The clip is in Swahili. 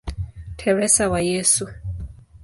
Teresa wa Yesu".